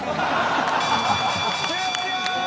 「終了！」